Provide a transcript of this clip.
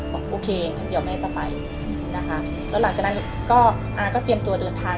บอกโอเคงั้นเดี๋ยวแม่จะไปนะคะแล้วหลังจากนั้นก็อาก็เตรียมตัวเดินทาง